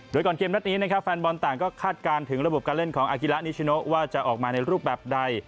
โดยก่อนเกมนัดนี้นะครับแฟนบอลต่างก็คาดการณ์ถึงระบบการเล่นของอากิระนิชโนว่าจะออกมาในรูปแบบใด